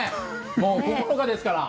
もう９日ですから。